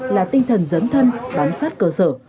là tinh thần dấn thân bám sát cơ sở